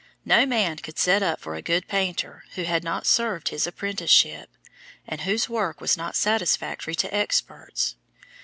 No man could set up for a good painter who had not served his apprenticeship, and whose work was not satisfactory to experts.